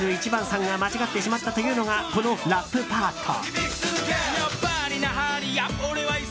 さんが間違ってしまったというのがこのラップパート。